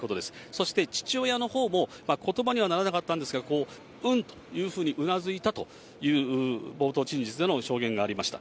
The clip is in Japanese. そして父親のほうも、ことばにはならなかったんですが、うんというふうにうなずいたという、冒頭陳述での証言がありました。